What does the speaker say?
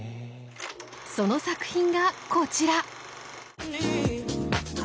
その作品がこちら。